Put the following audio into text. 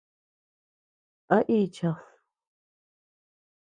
¿A ichad?